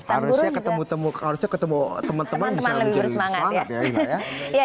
harusnya ketemu teman teman bisa menjadi semangat ya ila